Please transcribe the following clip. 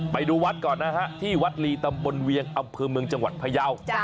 ไปดูวัดก่อนนะฮะที่วัดลีตำบลเวียงอำเภอเมืองจังหวัดพยาว